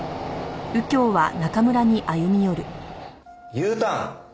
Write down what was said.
Ｕターン！？